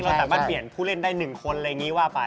สามารถเปลี่ยนผู้เล่นได้๑คนอะไรอย่างนี้ว่าไป